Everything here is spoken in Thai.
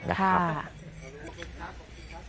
นะครับ